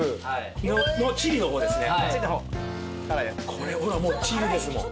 これほらもうチリですもん